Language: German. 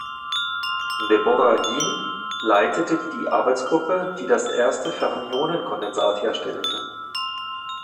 Deborah Jin leitete die Arbeitsgruppe, die das erste Fermionen-Kondensat herstellte.